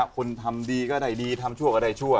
คนทำดีก็ได้ดีทำชั่วก็ได้ชั่ว